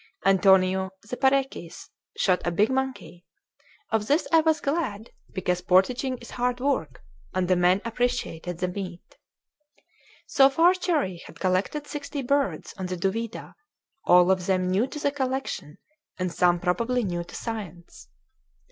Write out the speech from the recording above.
Antonio, the Parecis, shot a big monkey; of this I was glad because portaging is hard work, and the men appreciated the meat. So far Cherrie had collected sixty birds on the Duvida, all of them new to the collection, and some probably new to science.